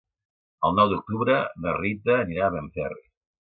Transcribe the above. El nou d'octubre na Rita anirà a Benferri.